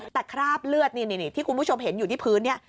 แต่คราบเลือดนี่ที่คุณผู้ชมเห็นอยู่ที่พื้นเนี่ย